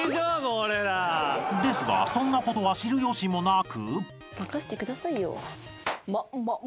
［ですがそんなことは知る由もなく］